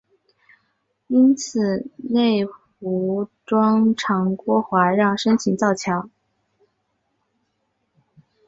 因此内湖庄长郭华让申请造桥。